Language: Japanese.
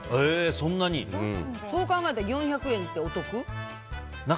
そう考えたら４００円ってお得？